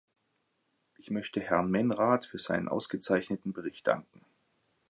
Ich möchte Herrn Menrad für seinen ausgezeichneten Bericht danken.